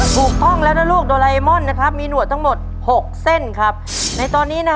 ซึ่งเป็นคำตอบที่